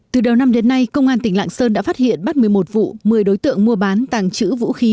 từ đầu năm đến nay công an tỉnh lạng sơn đã phát hiện bắt một mươi một vụ một mươi đối tượng mua bán tàng trữ vũ khí